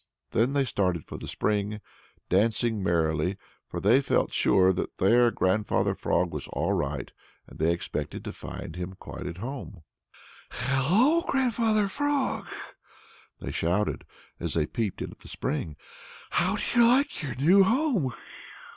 Then they started for the spring, dancing merrily, for they felt sure that there Grandfather Frog was all right, and they expected to find him quite at home. "Hello, Grandfather Frog!" they shouted, as they peeped into the spring. "How do you like your new home?"